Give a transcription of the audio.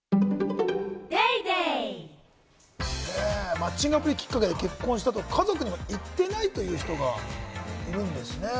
マッチングアプリきっかけで結婚したと、家族にも言ってないという人がいるんですね。